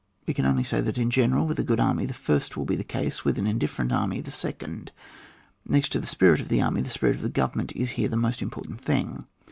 We can only say that, in general, with a good army the first wiU be the case, with an indifferent army the second ; next to the spirit of the army, the spirit of the Government is here the most important thing.